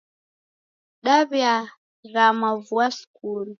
Daw'iaghama vua skulu.